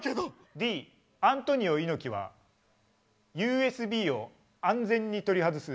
Ｄ「アントニオ猪木はＵＳＢを安全に取り外す」。